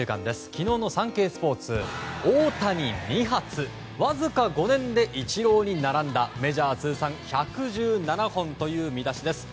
昨日のサンケイスポーツわずか５年でイチローに並んだメジャー通算１１７本という見出しです。